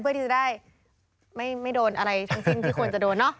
เพื่อที่จะได้ไม่โดนอะไรทั้งสิ้นที่ควรจะโดนเนาะ